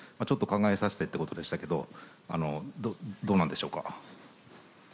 ちょっと考えるということでしたけどどうなのでしょうか？